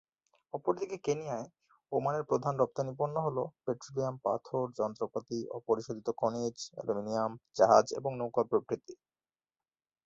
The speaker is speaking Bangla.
অপরদিকে কেনিয়ায়, ওমানের প্রধান রপ্তানি পণ্য হল, পেট্রোলিয়াম, পাথর, যন্ত্রপাতি, অপরিশোধিত খনিজ, অ্যালুমিনিয়াম, জাহাজ এবং নৌকা প্রভৃতি।